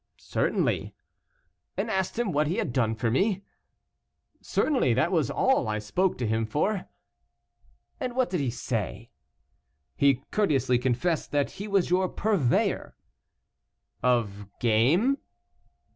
"Certainly." "And asked him what he had done for me?" "Certainly; that was all I spoke to him for." "And what did he say?" "He courteously confessed that he was your purveyor." "Of game?"